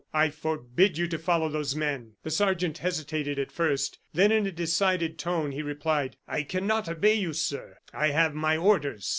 I forbid you to follow those men." The sergeant hesitated at first; then, in a decided tone, he replied: "I cannot obey you, sir. I have my orders."